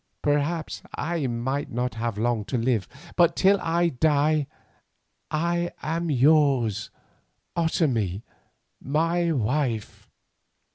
Perhaps I have not long to live, but till I die I am yours, Otomie my wife."